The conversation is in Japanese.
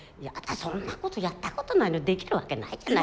そんなことやったことないのにできるわけないじゃない。